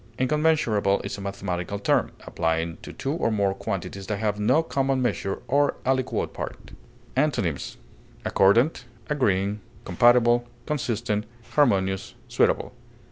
Incommensurable is a mathematical term, applying to two or more quantities that have no common measure or aliquot part. Antonyms: accordant, agreeing, compatible, consistent, harmonious, suitable.